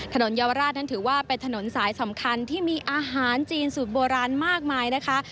เยาวราชนั้นถือว่าเป็นถนนสายสำคัญที่มีอาหารจีนสูตรโบราณมากมายนะคะ